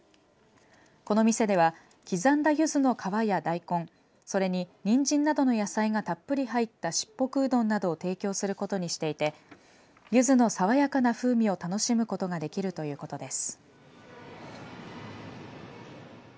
この店では刻んだゆずの皮や大根それに、にんじんなどの野菜がたっぷり入ったしっぽくうどんなどを提供することにしていてゆずの爽やかな風味を楽しむことができるということです。